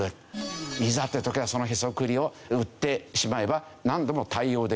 いざという時はそのへそくりを売ってしまえばなんでも対応できる。